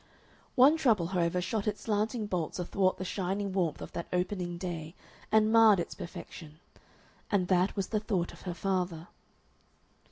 One trouble, however, shot its slanting bolts athwart the shining warmth of that opening day and marred its perfection, and that was the thought of her father.